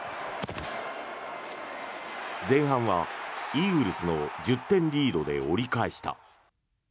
前半はイーグルスの１０点リードで折り返した。